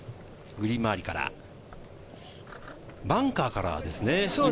グリーン周りから、バンカーからですね。